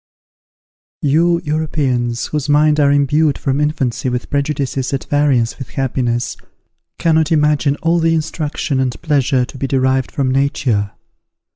You Europeans, whose minds are imbued from infancy with prejudices at variance with happiness, cannot imagine all the instruction and pleasure to be derived from nature.